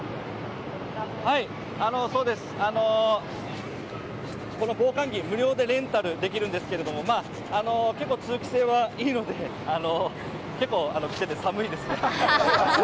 そうです、この防寒着無料でレンタルできるんですけれども結構通気性はいいので、結構、寒いですね。